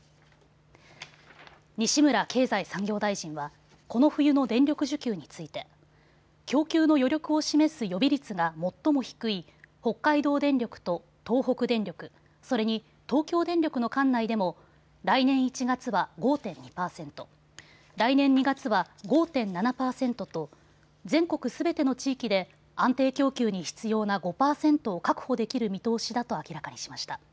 西村経済産業大臣はこの冬の電力需給について供給の余力を示す予備率が最も低い北海道電力と東北電力、それに東京電力の管内でも来年１月は５．２％、来年２月は５．７％と全国すべての地域で安定供給に必要な５％を確保できる見通しだと明らかにしました。